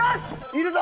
いるぞ！